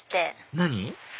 何？